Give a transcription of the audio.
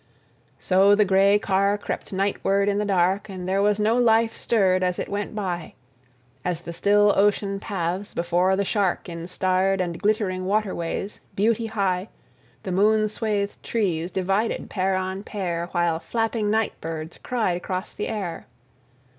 ... So the gray car crept nightward in the dark and there was no life stirred as it went by.... As the still ocean paths before the shark in starred and glittering waterways, beauty high, the moon swathed trees divided, pair on pair, while flapping nightbirds cried across the air....